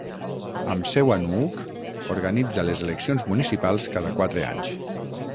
Amb seu a Nuuk, organitza les eleccions municipals cada quatre anys.